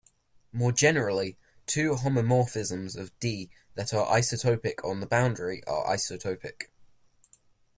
More generally, two homeomorphisms of "D" that are isotopic on the boundary are isotopic.